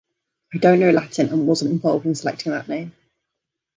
I don't know Latin and wasn't involved in selecting that name.